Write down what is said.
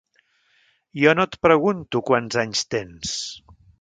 Jo no et pregunto quants anys tens...